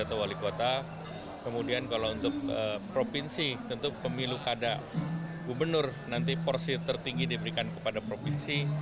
atau wali kota kemudian kalau untuk provinsi tentu pemilu kada gubernur nanti porsi tertinggi diberikan kepada provinsi